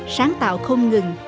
sáng tạo không ngừng